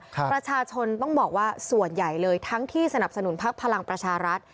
ประชาชนต้องบอกว่าส่วนใหญ่เลยทั้งที่สนับสนุนพักพลังประชารัฐ